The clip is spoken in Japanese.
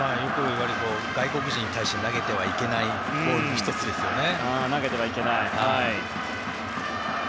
外国人に対して投げてはいけないボールの１つですよね。